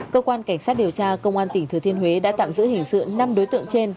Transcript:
cơ quan cảnh sát điều tra công an tỉnh thừa thiên huế đã tạm giữ hình sự năm đối tượng trên